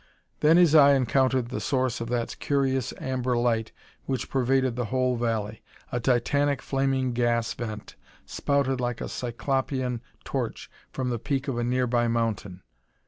Then his eye encountered the source of that curious amber light which pervaded the whole valley. A titanic flaming gas vent spouted like a cyclopean torch from the peak of a nearby mountain.